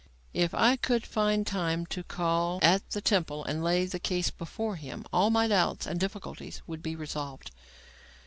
If I could find time to call at the Temple and lay the case before him, all my doubts and difficulties would be resolved.